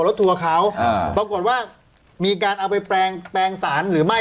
ทัวร์เขาปรากฏว่ามีการเอาไปแปลงสารหรือไม่